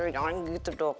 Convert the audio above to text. jangan gitu dok